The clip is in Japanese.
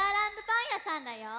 パンやさんだよ。